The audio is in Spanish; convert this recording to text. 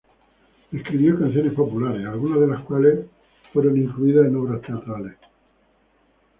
Escribió canciones populares, algunas de las cuales fueron incluidas en obras teatrales.